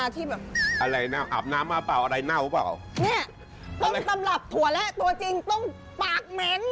ต้องตำรับถั่วแรกตัวจริงต้องปากเหม็น